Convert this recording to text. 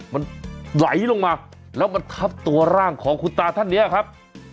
มันไหลลงมาแล้วมันทับตัวร่างของคุณตาท่านนี้ครับ